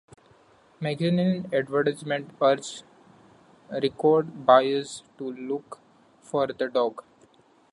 Magazine advertisements urged record buyers to look for the dog.